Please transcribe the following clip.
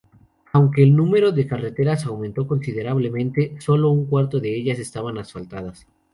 Aunque el número de carreteras aumentó considerablemente, solo un cuarto de ellas estaban asfaltadas.